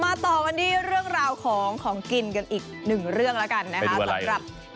ต่อกันที่เรื่องราวของของกินกันอีกหนึ่งเรื่องแล้วกันนะคะสำหรับ